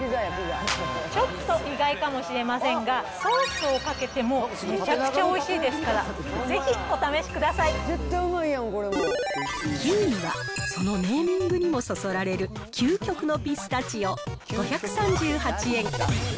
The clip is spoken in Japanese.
ちょっと意外かもしれませんが、ソースをかけてもめちゃくちゃおいしいですから、ぜひお試しくだ９位は、そのネーミングにもそそられる究極のぴすたちお５３８円。